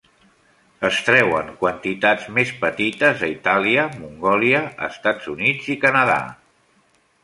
Es treuen quantitats més petites a Itàlia, Mongòlia, Estats Units i Canadà.